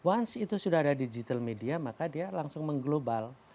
once itu sudah ada digital media maka dia langsung mengglobal